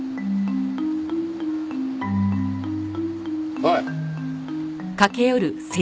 おい！